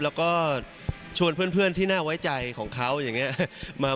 แล้วก็ชวนเพื่อนที่น่าไว้ใจของเขาอย่างนี้